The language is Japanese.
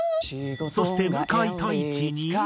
そして向井太一に。